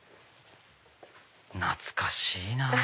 懐かしいなぁ。